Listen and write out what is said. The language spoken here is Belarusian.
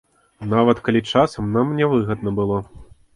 Нават калі часам нам нявыгадна было.